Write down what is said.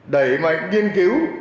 đẩy mạnh nghiên cứu